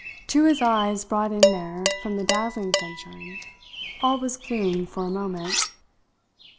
To his eyes, brought in there from the dazzling sunshine, all was gloom for a moment.